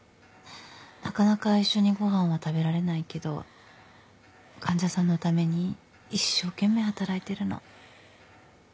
なかなか一緒にご飯は食べられないけど患者さんのために一生懸命働いてるの。